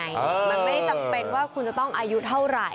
มันไม่ได้จำเป็นว่าคุณจะต้องอายุเท่าไหร่